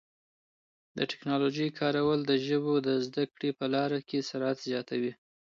د ټکنالوژۍ کارول د ژبو د زده کړې په لاره کي سرعت زیاتوي.